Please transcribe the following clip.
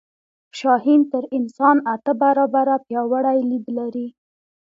شاهین تر انسان اته برابره پیاوړی لید لري